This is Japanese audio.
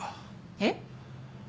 えっ？